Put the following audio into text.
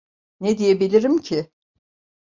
Ne diyebilirim ki?